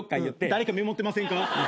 誰かメモってませんか？